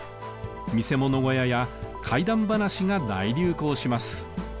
見せ物小屋や怪談話が大流行します。